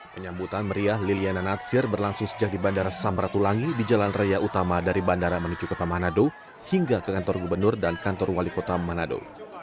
penyambutan meriah liliana natsir berlangsung sejak di bandara samratulangi di jalan raya utama dari bandara menuju kota manado hingga ke kantor gubernur dan kantor wali kota manado